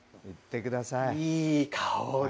いい香り。